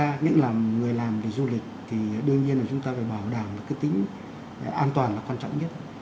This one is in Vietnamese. nếu chúng ta làm người làm thì du lịch thì đương nhiên là chúng ta phải bảo đảm cái tính an toàn là quan trọng nhất